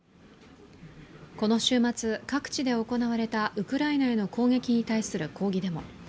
この週末、各地で行われたウクライナへの攻撃に対する抗議デモ。